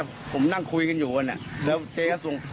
ผมนั่งคุยกันอยู่แล้วเจ๊ก็ทรง